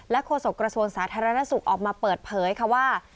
และโครงสกรกสวงสาธารณสุขออกมาเปิดเผยว่า